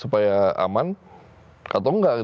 supaya aman atau enggak